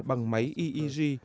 bằng máy eeg